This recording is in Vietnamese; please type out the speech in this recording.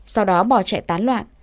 sau đó bỏ chạy tán loạn